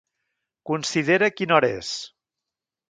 Considera quina hora és.